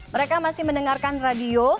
mereka masih mendengarkan radio